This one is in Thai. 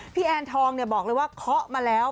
พี่แอนทองเนี่ยบอกเลยว่าเคาะมาแล้ว